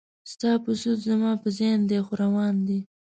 ستا په سود زما په زیان دی خو روان دی.